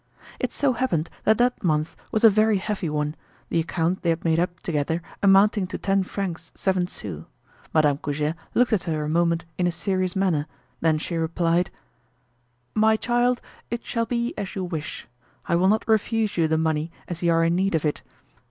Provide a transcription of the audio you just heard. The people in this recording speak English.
It so happened that that month was a very heavy one, the account they had made up together amounting to ten francs, seven sous. Madame Goujet looked at her a moment in a serious manner, then she replied: "My child, it shall be as you wish. I will not refuse you the money as you are in need of it.